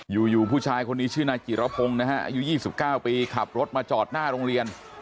อยู่ผู้ชายคนนี้ชื่อนายจิรพงศ์นะฮะอายุ๒๙ปีขับรถมาจอดหน้าโรงเรียน